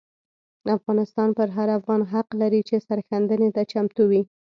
افغانستان پر هر افغان حق لري چې سرښندنې ته چمتو وي.